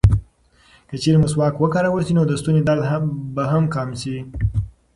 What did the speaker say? که چېرې مسواک وکارول شي، نو د ستوني درد به هم کم شي.